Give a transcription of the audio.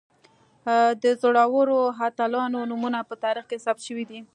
د زړورو اتلانو نومونه په تاریخ کې ثبت شوي دي.